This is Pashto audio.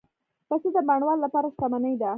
پسه د بڼوال لپاره شتمني ده.